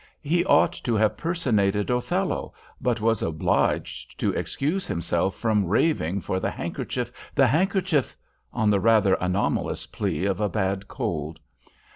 He ought to have personated Othello, but was obliged to excuse himself from raving for "the handkerchief! the handkerchief!" on the rather anomalous plea of a bad cold.